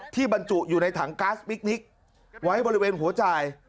ที่บรรจุอยู่ในถังก๊าซมิกนิกไว้บริเวณหัวใจ